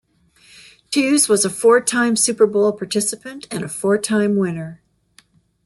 Toews was a four-time Super Bowl participant and a four-time winner.